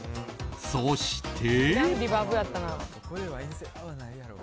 そして。